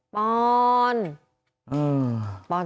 ปรน